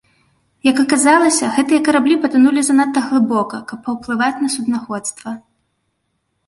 Як аказалася гэтыя караблі патанулі занадта глыбока, каб паўплываць на суднаходства.